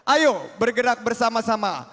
ayo bergerak bersama sama